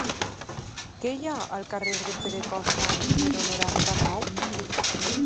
Què hi ha al carrer de Pere Costa número noranta-nou?